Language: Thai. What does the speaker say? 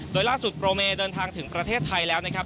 โดยล่าสุดโปรเมเดินทางถึงประเทศไทยแล้วนะครับ